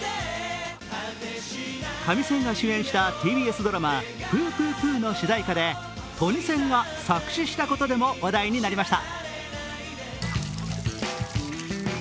カミセンが主演したＴＢＳドラマ、「ＰＵ−ＰＵ−ＰＵ−」の主題歌で、トニセンが作詞したことでも話題になりました。